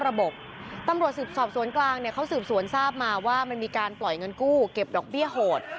ระบบตำรวจสืบสวนสอบสวนกลางเนี่ยเขาสืบสวนทราบมาว่ามันมีการปล่อยเงินกู้เก็บดอกเบี้ยโหด